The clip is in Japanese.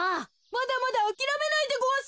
まだまだあきらめないでごわす！